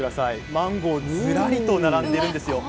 マンゴーずらりと並んでいるんですよ。